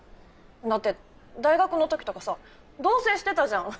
だって大学のときとかさ同棲してたじゃん。